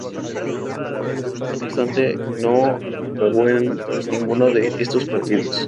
No obstante, no acabó en ninguno de estos partidos.